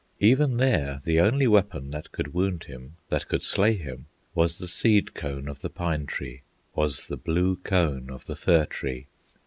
Even there the only weapon That could wound him, that could slay him, Was the seed cone of the pine tree, Was the blue cone of the fir tree.